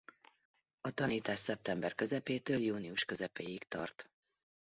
A tanítás szeptember közepétől június közepéig tart.